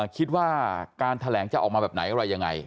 คิดว่าการแถลงจะออกมาแบบไหนอะไรยังไง